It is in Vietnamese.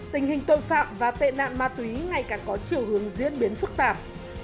tình hình tội phạm và tệ nạn ma túy ngày càng có chiều hướng diễn biến phức tạp